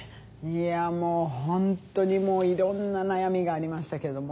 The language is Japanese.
いやもう本当にいろんな悩みがありましたけども。